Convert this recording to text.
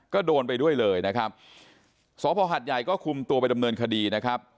ก็โดนไปด้วยเลยนะครับสพหัดใหญ่ก็คุมตัวไปดำเนินคดีนะครับ